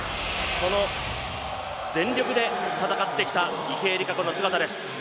その全力で戦ってきた池江璃花子の姿です。